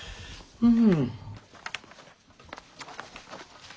うん。